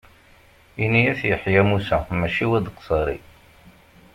Ini At Yeḥya Musa mačči Wad Qsaṛi.